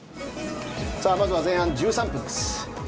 まずは前半１３分です。